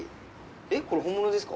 えっ、これ本物ですか？